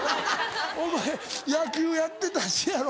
お前野球やってたしやろ？